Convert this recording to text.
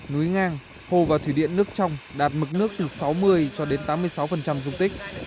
núi ngang hồ và thủy điện nước trong đạt mực nước từ sáu mươi cho đến tám mươi sáu dung tích